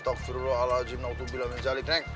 justru allah a'la jinnahu tubi'al minjalik neng